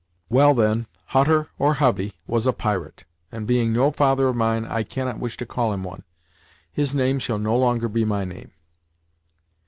"Well, then, Hutter, or Hovey, was a pirate, and being no father of mine, I cannot wish to call him one. His name shall no longer be my name."